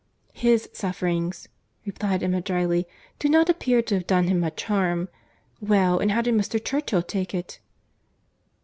"His sufferings," replied Emma dryly, "do not appear to have done him much harm. Well, and how did Mr. Churchill take it?"